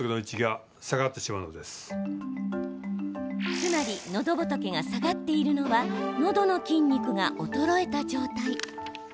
つまり、のどぼとけが下がっているのはのどの筋肉が衰えた状態。